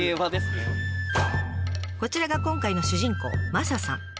こちらが今回の主人公マサさん。